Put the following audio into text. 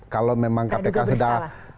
kalau memang kpk sudah